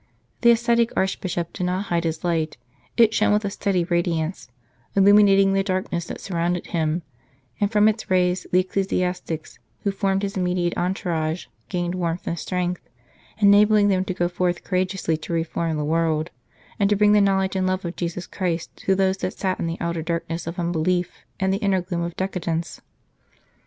The ascetic Archbishop did not hide his light ; it shone with a steady radiance, illuminating the darkness that surrounded him, and from its rays the ecclesiastics who formed his immediate entourage gained warmth and strength, enabling them to go forth courageously to reform the 57 St. Charles Borromeo world, and to bring the knowledge and love of Jesus Christ to those that sat in the outer dark ness of unbelief and the inner gloom of decadence.